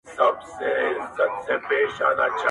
ما له یوې هم یوه ښه خاطره و نه لیده.